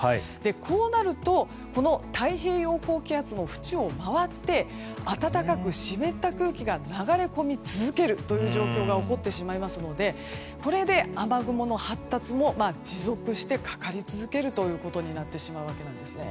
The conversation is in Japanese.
こうなると太平洋高気圧のふちを回って暖かく湿った空気が流れ込み続けるという状況が起こってしまいますのでこれで雨雲の発達も持続してかかり続けることになってしまうわけなんですね。